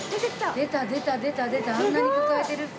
出た出た出た出たあんなに抱えてる袋。